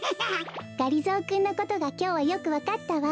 がりぞーくんのことがきょうはよくわかったわ。